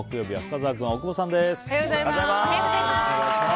木曜日は深澤君、大久保さんです。